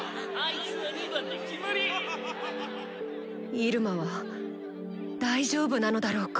イルマは大丈夫なのだろうか？